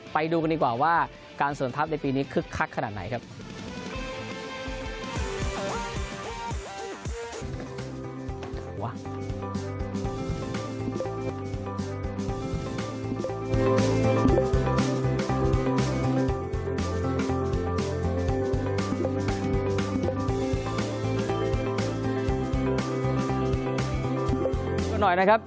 ไปดูกันดีกว่าว่าการเสริมทัพในปีนี้คึกคักขนาดไหนครับ